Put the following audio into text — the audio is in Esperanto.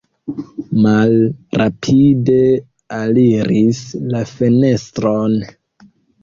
Malrapide aliris la fenestron.